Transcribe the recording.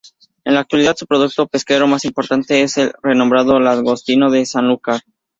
En la actualidad, su producto pesquero más importante es el renombrado langostino de Sanlúcar.